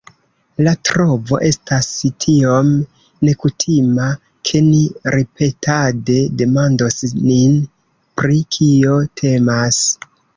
La trovo estas tiom nekutima, ke ni ripetade demandos nin, pri kio temas.